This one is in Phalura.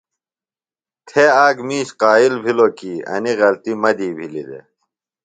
تھے آک مِیش قائل بِھلوۡ کی انیۡ غلطیۡ مہ دی بِھلیۡ دےۡ۔